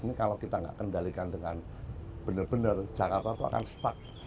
ini kalau kita nggak kendalikan dengan benar benar jakarta itu akan stuck